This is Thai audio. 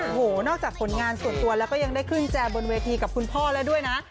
โอ้โหนอกจากผลงานส่วนตัวแล้วก็ยังได้ขึ้นแจบนเวทีกับคุณพ่อแล้วด้วยนะ